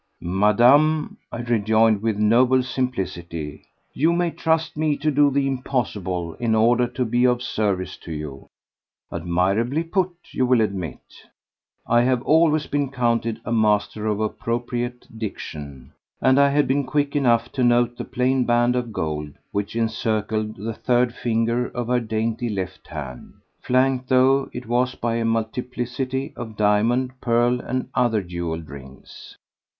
"Madame," I rejoined with noble simplicity, "you may trust me to do the impossible in order to be of service to you." Admirably put, you will admit. I have always been counted a master of appropriate diction, and I had been quick enough to note the plain band of gold which encircled the third finger of her dainty left hand, flanked though it was by a multiplicity of diamond, pearl and other jewelled rings.